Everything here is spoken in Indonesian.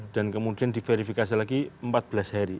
dan kemudian diverifikasi lagi empat belas hari